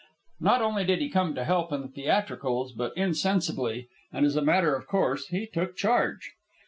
Not only did he come to help in the theatricals, but insensibly, and as a matter of course, he took charge.